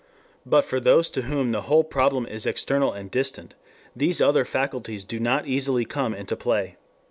But for those to whom the whole problem is external and distant, these other faculties do not easily come into play.